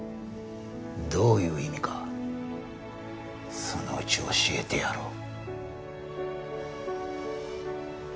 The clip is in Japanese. どういう意味かそのうち教えてやろう。